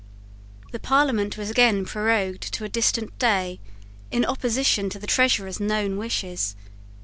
The Parliament was again prorogued to a distant day, in opposition to the Treasurer's known wishes.